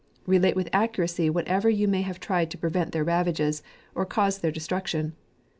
Relate with accuracy whatever you may have tried to prevent their ravages, or cause their de struction.